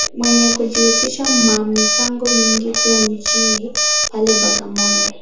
Mwenye kujihusisha ma mipango mingi tu mjini pale, Bagamoyo.